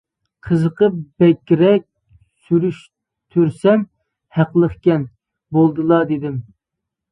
قىزىقىپ بەكرەك سۈرۈشتۈرسەم ھەقلىقكەن، بولدىلا دېدىم.